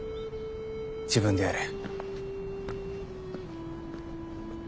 自分でやれ。